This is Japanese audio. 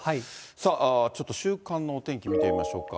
さあ、ちょっと週間のお天気見てみましょうか。